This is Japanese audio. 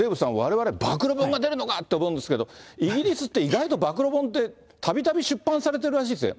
これ、デーブさん、われわれ、暴露本が出るのかって思うんですけれども、イギリスって意外と暴露本って、たびたび出版されているらしいですね。